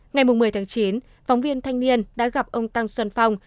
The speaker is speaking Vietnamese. ngày một mươi tháng chín phóng viên thanh niên đã gặp ông tăng xuân phong